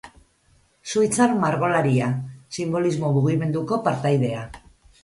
Suitzar margolaria, sinbolismo mugimenduko partaidea.